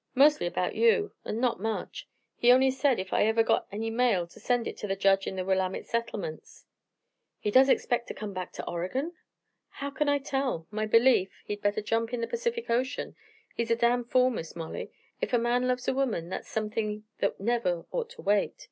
"Mostly erbout you, an' not much. He only said ef I ever got any mail to send it ter the Judge in the Willamette settlements." "He does expect to come back to Oregon!" "How can I tell? My belief, he'd better jump in the Percific Ocean. He's a damn fool, Miss Molly. Ef a man loves a womern, that's somethin' that never orto wait.